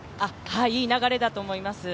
いい流れだと思います。